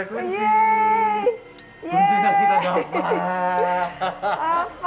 kunci yang kita dapat